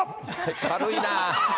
軽いなー。